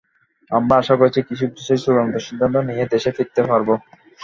আমরা আশা করছি, কিছু বিষয়ে চূড়ান্ত সিদ্ধান্ত নিয়েই দেশে ফিরতে পারব।